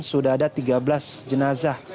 sudah ada tiga belas jenazah